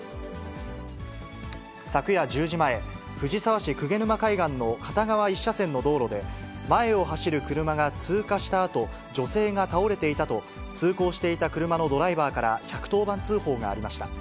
昨夜１０時前、藤沢市鵠沼海岸の片側１車線の道路で、前を走る車が通過したあと、女性が倒れていたと、通行していた車のドライバーから１１０番通報がありました。